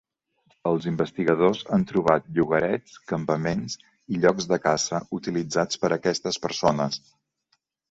Els investigadors han trobat llogarets, campaments i llocs de caça utilitzats per aquestes persones.